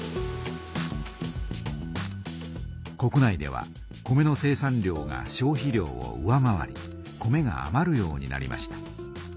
国内では米の生産量が消費量を上回り米があまるようになりました。